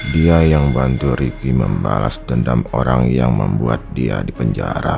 dia yang bantu ricky membalas dendam orang yang membuat dia di penjara